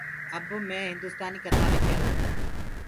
اب مي هندُستآنيٚ ڪٿآ لک هيرو